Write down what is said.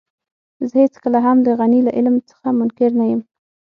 زه هېڅکله هم د غني له علم څخه منکر نه يم.